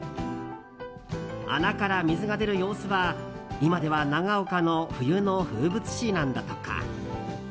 穴から水が出る様子は、今では長岡の冬の風物詩なんだとか。